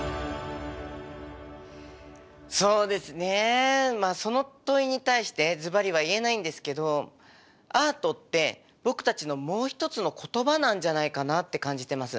そうですねまあその問いに対してズバリは言えないんですけどアートって僕たちのもう一つの言葉なんじゃないかなって感じてます。